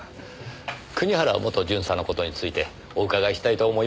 国原元巡査の事についてお伺いしたいと思いまして。